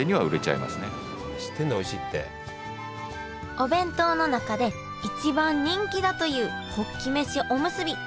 お弁当の中で一番人気だというホッキ飯おむすび。